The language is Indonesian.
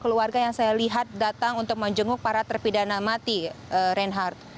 keluarga yang saya lihat datang untuk menjenguk para terpidana mati reinhardt